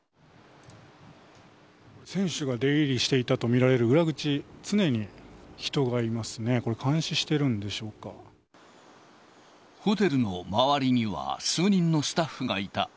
選手が出入りしていたと見られる裏口、常に人がいますね、これ、ホテルの周りには、数人のスタッフがいた。